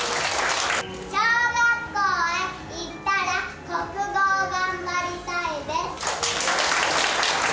小学校へ行ったら国語を頑張りたいです。